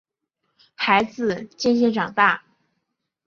孩子渐渐长大